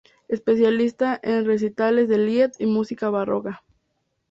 Especialista en recitales de "lied" y música barroca.